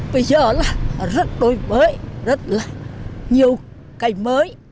bây giờ là rất đôi mới rất là nhiều cây mới